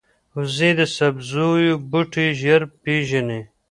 وزې د سبزیو بوټي ژر پېژني